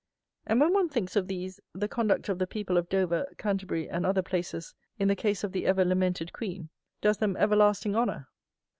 And when one thinks of these, the conduct of the people of Dover, Canterbury, and other places, in the case of the ever lamented Queen, does them everlasting honour.